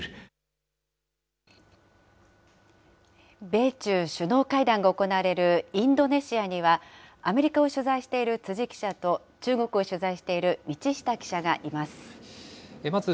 米中首脳会談が行われるインドネシアには、アメリカを取材している辻記者と、中国を取材している道下記者がいます。